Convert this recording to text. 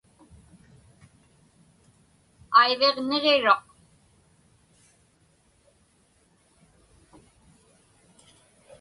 Aiviq niġiruq.